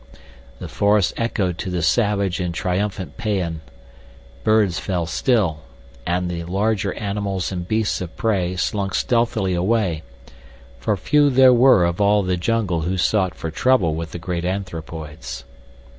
The forest echoed to the savage and triumphant paean. Birds fell still, and the larger animals and beasts of prey slunk stealthily away, for few there were of all the jungle who sought for trouble with the great anthropoids.